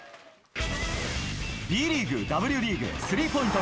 Ｂリーグ、Ｗリーグスリーポイント